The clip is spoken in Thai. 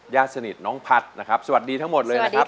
ญาติสนิทน้องพัฒน์นะครับสวัสดีทั้งหมดเลยนะครับ